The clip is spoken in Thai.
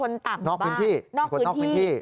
นอกพื้นที่นอกคนนอกพื้นที่